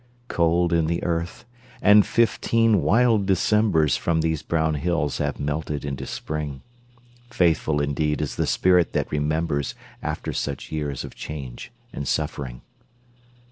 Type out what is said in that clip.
Cold in the earth, and fifteen wild Decembers From these brown hills have melted into Spring. Faithful indeed is the spirit that remembers After such years of change and suffering!